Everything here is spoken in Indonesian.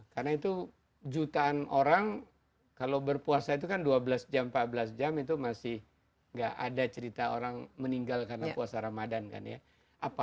karena itu jutaan orang kalau berpuasa itu kan dua belas jam empat belas jam itu masih gak ada cerita orang meninggal karena puasa ramadhan kan ya